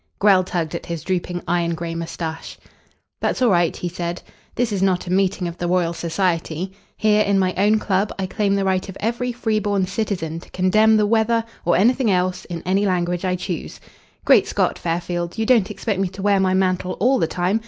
Grell tugged at his drooping iron grey moustache. "That's all right," he said. "This is not a meeting of the Royal Society. Here, in my own club, I claim the right of every free born citizen to condemn the weather or anything else in any language I choose. Great Scott, Fairfield! You don't expect me to wear my mantle all the time.